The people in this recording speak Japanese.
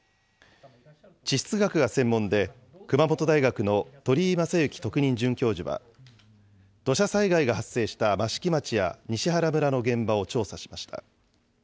地質学が専門で熊本大学の鳥井真之特任准教授は、土砂災害が発生した益城町や西原村の現場を調査しました。